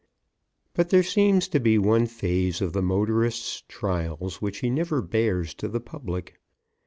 But there seems to be one phase of the motorist's trials which he never bares to the public.